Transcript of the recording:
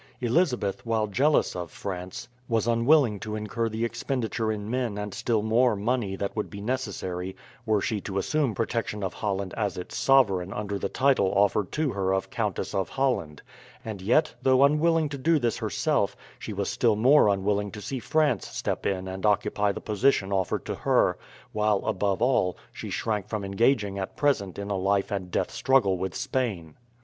Elizabeth, while jealous of France, was unwilling to incur the expenditure in men and still more money that would be necessary were she to assume protection of Holland as its sovereign under the title offered to her of Countess of Holland; and yet, though unwilling to do this herself, she was still more unwilling to see France step in and occupy the position offered to her, while, above all, she shrank from engaging at present in a life and death struggle with Spain.